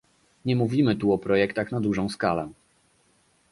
Nie mówimy tu o projektach na dużą skalę